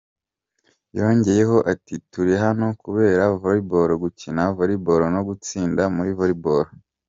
Yongeyeho ati “ Turi hano kubera Volleyball, gukina Volleyball no gutsinda muri Volleyball.